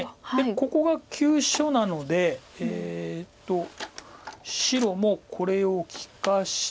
ここが急所なので白もこれを利かして。